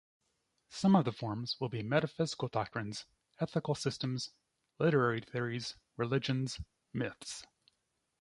Some of the forms will be metaphysical doctrines, ethical systems, literary theories, religions, myths.